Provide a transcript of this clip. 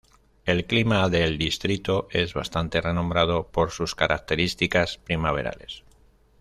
El clima del distrito es bastante renombrado por sus características primaverales.